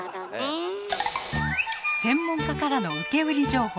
専門家からの受け売り情報。